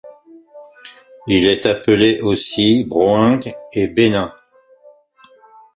Il est appelé aussi Broingt et Bénin.